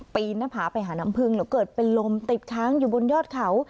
หน้าผาไปหาน้ำพึ่งแล้วเกิดเป็นลมติดค้างอยู่บนยอดเขา